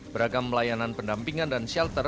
beragam layanan pendampingan dan shelter